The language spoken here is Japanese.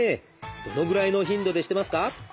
どのぐらいの頻度でしてますか？